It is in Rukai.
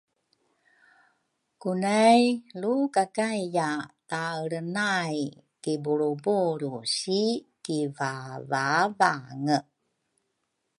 Kunay lukakaiya taelre nay kibulrubulru si kivavavange